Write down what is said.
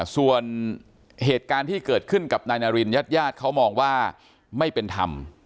ส่วนเหตุการณ์ที่เกิดขึ้นกับนายนารินญาติญาติเขามองว่าไม่เป็นธรรม